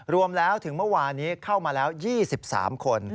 รวมแล้วถึงเมื่อวานี้เข้ามาแล้ว๒๓คน